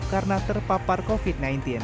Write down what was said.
karena terpapar covid sembilan belas